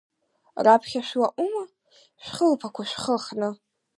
Раԥхьа шәлаҟума, шәхылԥақуа шәхыхны?